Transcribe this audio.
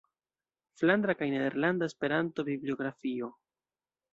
Flandra kaj Nederlanda Esperanto-Bibliografio.